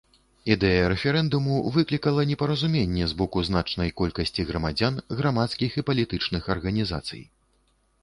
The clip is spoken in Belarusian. Ідэя рэферэндуму выклікала непаразуменне з боку значнай колькасці грамадзян, грамадскіх і палітычных арганізацый.